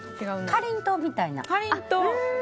かりんとうみたいな。